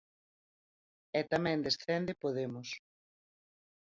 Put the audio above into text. E tamén descende Podemos.